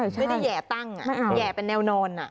ไม่ได้แห่ตั้งแห่เป็นแนวนอน